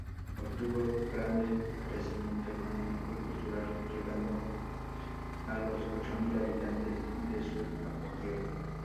Obtuvo grande crecimiento económico y cultural, llegando a los ochomil habitantes en su apogeo.